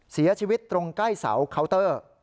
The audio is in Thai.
เสียชีวิตตรงใกล้เสาเคาน์เตอร์